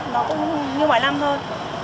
nó cũng như mọi năm thôi